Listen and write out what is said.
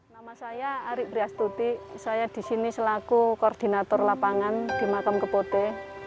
nama saya ari priastuti saya di sini selaku koordinator lapangan di makam kepote